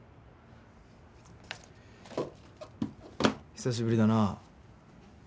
久しぶりだな。